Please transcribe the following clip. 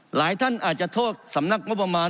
หลายท่านอาจจะโทษสำนักงบประมาณ